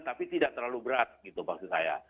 tapi tidak terlalu berat gitu maksud saya